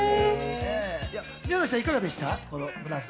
宮崎さん、いかがでしたか？